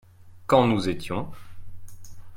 Quand nous étions.